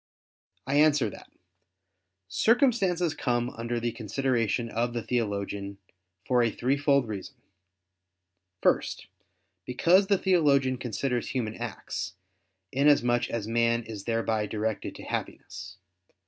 I answer that, Circumstances come under the consideration of the theologian, for a threefold reason. First, because the theologian considers human acts, inasmuch as man is thereby directed to Happiness.